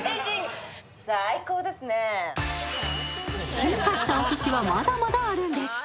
進化したおすしは、まだまだあるんです。